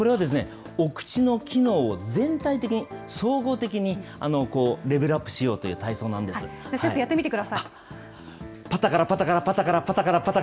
これはお口の機能を全体的に総合的にレベルアップしようとい先生やってみてください。